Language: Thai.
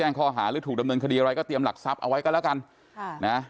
ข้อหาหรือถูกดำเนินคดีอะไรก็เตรียมหลักทรัพย์เอาไว้ก็แล้วกันค่ะนะ